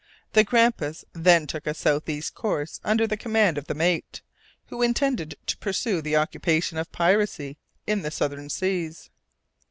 The Grampus then took a south east course under the command of the mate, who intended to pursue the occupation of piracy in the southern seas.